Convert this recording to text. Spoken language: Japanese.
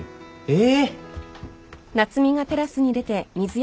え！